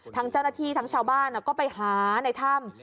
ทั้งเจ้าหน้าที่ทั้งชาวบ้านก็ไปหาในถ้ำ